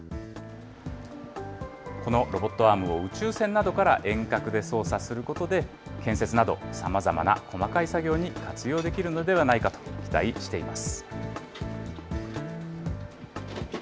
このロボットアームを宇宙船などから遠隔で操作することで、建設など、さまざまな細かい作業に活用できるのではないかと期待しています。